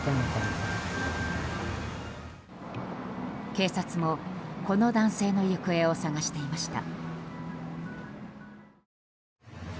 警察も、この男性の行方を捜していました。